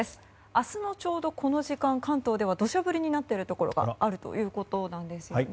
明日のちょうどこの時間関東では土砂降りになっているところがあるということなんですね。